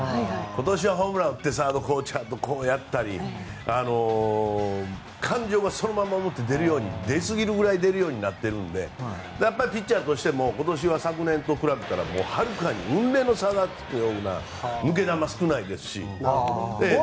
今年はホームランを打ってサードコーチャーとこう、やったり感情が、そのまま出るように出すぎるぐらい出るようになっているのでやっぱりピッチャーとしても今年は昨年と比べてもはるかに雲泥の差がっていうような抜け球が少ないですし。